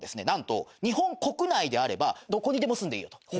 なんと日本国内であればどこにでも住んでいいよと。